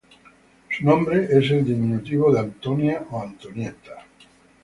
Su nombre es el diminutivo de Antonia o Antonietta.